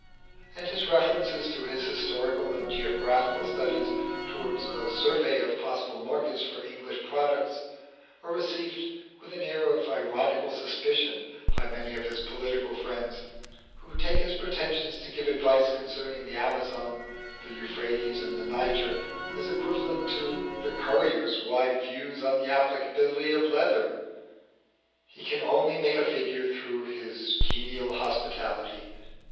And his references to his historical and geographical studies towards a survey of possible markets for English products are received with an air of ironical suspicion by many of his political friends, who take his pretension to give advice concerning the Amazon, the Euphrates, and the Niger as equivalent to the currier's wide views on the applicability of leather. He can only make a figure through his genial hospitality.